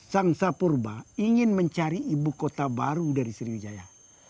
sang sapurba ingin mencari ibu kota baru dari sriwijaya